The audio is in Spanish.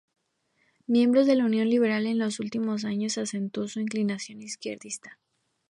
Miembro de la Unión Liberal, en los últimos años acentuó su inclinación izquierdista.